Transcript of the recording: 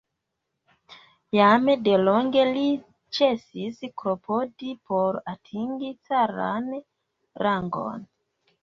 Jam delonge li ĉesis klopodi por atingi caran rangon.